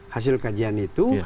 hasil kajian itu